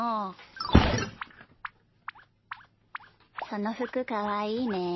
そのふくかわいいね。